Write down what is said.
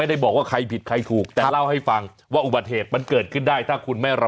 สี่หัวข้อแต่คุณชนะเกินปียังไงฮะ